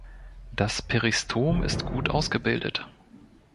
Das Peristom ist gut ausgebildet.